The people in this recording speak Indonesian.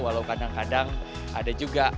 walau kadang kadang ada juga